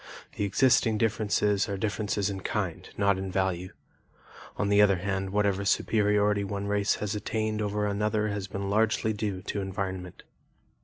The existing differences are differences in kind not in value. On the other hand, whatever superiority one race has attained over another has been largely due to environment.